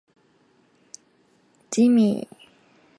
Gimme!